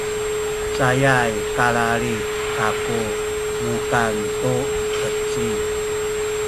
cayay kalalid kaku mukan tu heci